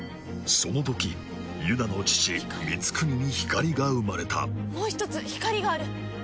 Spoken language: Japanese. そのときユナの父ミツクニに光が生まれた光もう１つ光がある！